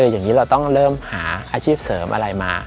อย่างนี้เราต้องเริ่มหาอาชีพเสริมอะไรมา